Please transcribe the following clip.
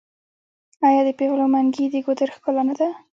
آیا د پیغلو منګي د ګودر ښکلا نه ده؟